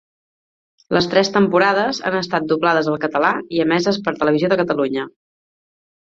Les tres temporades han estat doblades al català i emeses per Televisió de Catalunya.